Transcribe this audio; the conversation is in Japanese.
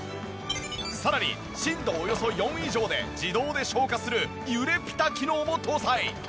さらに震度およそ４以上で自動で消火する揺れピタ機能も搭載。